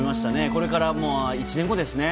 これから、１年後ですね。